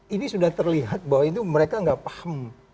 ini sudah terlihat bahwa itu mereka nggak paham